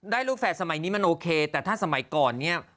ลูกแฝดสมัยนี้มันโอเคแต่ถ้าสมัยก่อนเนี่ย